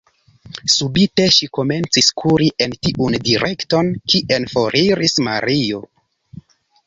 Subite ŝi komencis kuri en tiun direkton, kien foriris Mario.